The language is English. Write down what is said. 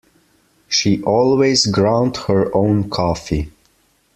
She always ground her own coffee.